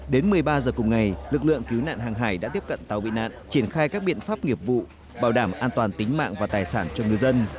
đến một mươi ba h cùng ngày lực lượng cứu nạn hàng hải đã tiếp cận tàu bị nạn triển khai các biện pháp nghiệp vụ bảo đảm an toàn tính mạng và tài sản cho ngư dân